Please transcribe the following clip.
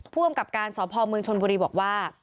อำกับการสพเมืองชนบุรีบอกว่า